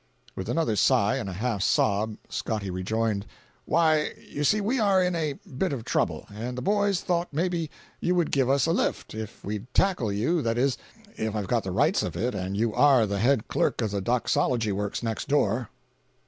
With another sigh and a half sob, Scotty rejoined: "Why you see we are in a bit of trouble, and the boys thought maybe you would give us a lift, if we'd tackle you—that is, if I've got the rights of it and you are the head clerk of the doxology works next door."